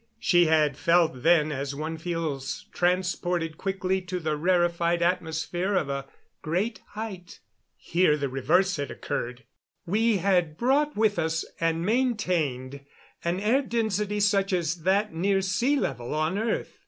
She had felt then as one feels transported quickly to the rarified atmosphere of a great height. Here the reverse had occurred. We had brought with us, and maintained, an air density such as that near sea level on earth.